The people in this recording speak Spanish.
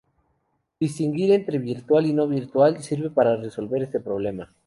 Distinguir entre virtual y no virtual sirve para resolver este problema.